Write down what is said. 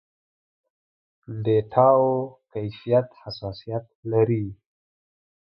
ډېټاوو کيفيت حساسيت لري.